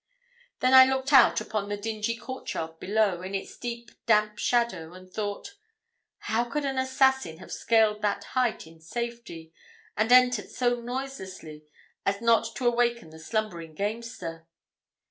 Then I looked out upon the dingy courtyard below, in its deep damp shadow, and thought, 'How could an assassin have scaled that height in safety, and entered so noiselessly as not to awaken the slumbering gamester?'